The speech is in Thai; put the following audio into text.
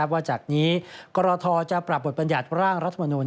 ว่าจากนี้กรทจะปรับบทบรรยัติร่างรัฐมนุน